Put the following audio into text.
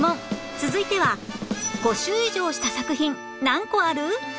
続いては５周以上した作品何個ある？